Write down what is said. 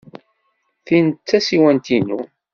Tin d tasiwant-inu.